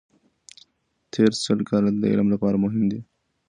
تېر سل کاله د دې علم لپاره مهم دي.